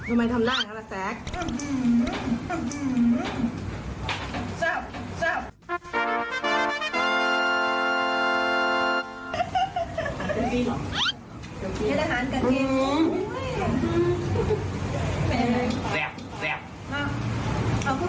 อืมมันนั่วปากนะ